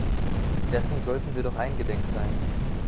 Dessen sollten wir doch eingedenk sein.